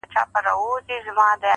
زه او ته چي پیدا سوي پاچاهان یو؛